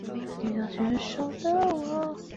藏历木兔年生于四川理塘的达仓家。